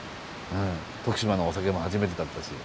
徳島のお酒も初めてだったしはい。